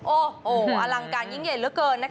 โอ้โหอลังการยิ่งใหญ่เหลือเกินนะคะ